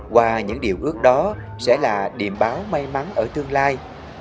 qua những điều ước đó sẽ là điểm báo may mắn ở tương lai